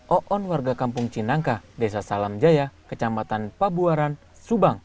oon warga kampung cinangka desa salamjaya kecamatan pabuaran subang